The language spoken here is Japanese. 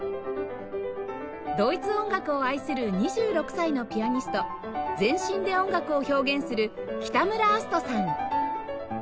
ドイツ音楽を愛する２６歳のピアニスト全身で音楽を表現する北村明日人さん